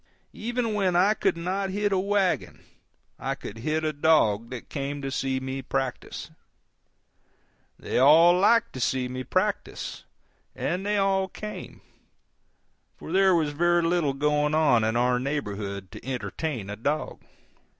Even when I could not hit a wagon I could hit a dog that came to see me practice. They all liked to see me practice, and they all came, for there was very little going on in our neighborhood to entertain a dog.